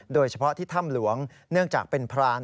โดยเฉพาะที่ถ้ำหลวงเนื่องจากเป็นพราน